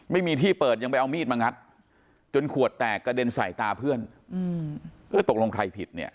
ไม่มีที่เปิดยังไปเอามีดมางัดจนขวดแตกกระเด็นใส่ตาเพื่อนเออตกลงใครผิดเนี่ย